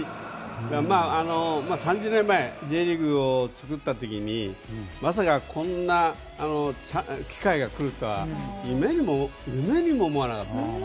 ３０年前Ｊリーグを作った時にまさかこんな機会が来るとは夢にも思わなかったです。